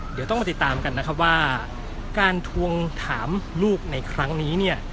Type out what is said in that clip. เดี๋ยวต้องมาติดตามกันนะครับว่าการทวงถามลูกในครั้งนี้เนี่ย